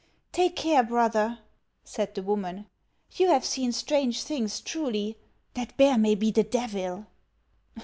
" Take care, brother," said the woman ;" you have seen strange things, truly. That bear may be the Devil."